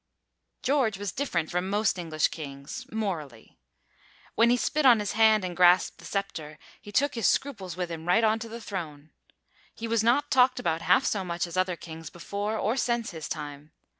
George was different from most English kings, morally. When he spit on his hand and grasped the sceptre, he took his scruples with him right onto the throne. He was not talked about half so much as other kings before or since his time.